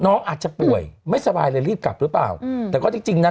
น้องอาจจะป่วยไม่สบายเลยรีบกลับหรือเปล่าอืมแต่ก็จริงจริงนะ